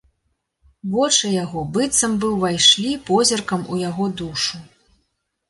Вочы яго быццам бы ўвайшлі позіркам у яго душу.